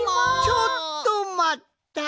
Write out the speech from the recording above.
ちょっとまった！